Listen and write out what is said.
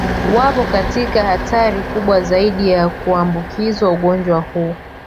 Wapo katika hatari kubwa zaidi ya kuambukizwa ugonjwa huu